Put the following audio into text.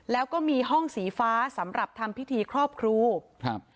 แล้วก็มีห้องสีฟ้าสำหรับทำพิธีครอบครูครับ